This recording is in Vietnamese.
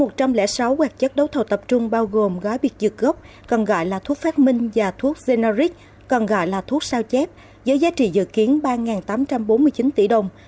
một trăm linh sáu hoạt chất đấu thầu tập trung bao gồm gói biệt dược gốc còn gọi là thuốc phát minh và thuốc generic còn gọi là thuốc sao chép với giá trị dự kiến ba tám trăm bốn mươi chín tỷ đồng